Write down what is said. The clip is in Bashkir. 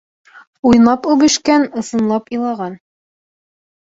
Уйнап үбешкән, ысынлап илаған.